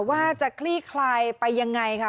ว่าจะคลี่คลายไปยังไงค่ะ